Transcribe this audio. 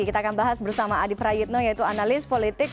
kita akan bahas bersama adi prayitno yaitu analis politik